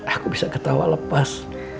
aku bisa ketawa lepas